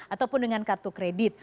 ataupun dengan kartu kredit